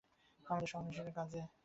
আমার সন্ন্যাসীর কাজ মানুষের চিত্ত-আকর্ষণ।